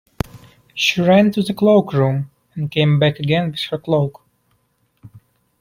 She ran to the cloak-room, and came back again with her cloak.